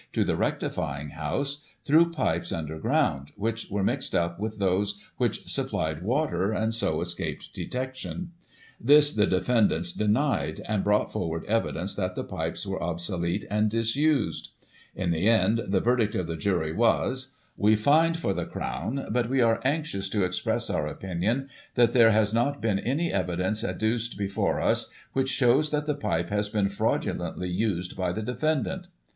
261 to the rectifying house, through pipes under ground, which were mixed up with those which supplied water, and so escaped detection. This the defendants denied, and brought forward evidence that the pipes were obsolete and disused In the end, the verdict of the jury was, "We find for the Crown ; but we are anxious to express our opinion that there has not been any evidence adduced before us which shows that the pipe has been fraudently used by the defendant."